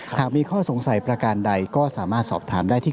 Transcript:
หากมีข้อสงสัยประการใดก็สามารถสอบถามได้ที่